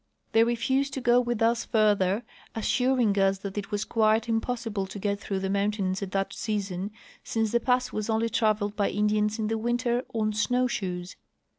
They refused to go with us further, assuring us that it was quite impossible to get through the mountains at that season since the pass was only traveled by Indians in the winter on snow shoes.